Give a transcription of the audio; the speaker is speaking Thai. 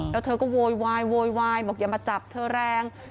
แล้วเธอก็โวยวายโวยวายบอกอย่ามาจับเธอแรง